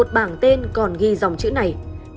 bảng tên còn ghi dòng chữ này